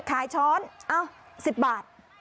ขายช้อน๑๐บาท